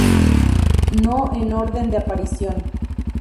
No en orden de aparición.